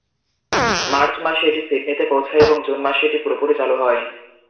March মাসে এটি সিডনিতে পৌঁছায় এবং জুন মাসে এটি পুরোপুরি চালু হয়।